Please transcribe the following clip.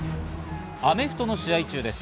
アメフトの試合中です。